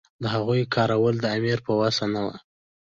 د هغوی کرارول د امیر په وس نه وو.